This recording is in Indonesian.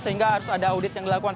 sehingga harus ada audit yang dilakukan